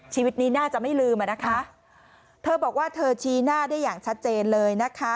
ชีวิตนี้น่าจะไม่ลืมอ่ะนะคะเธอบอกว่าเธอชี้หน้าได้อย่างชัดเจนเลยนะคะ